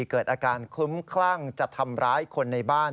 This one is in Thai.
เกิดอาการคลุ้มคลั่งจะทำร้ายคนในบ้าน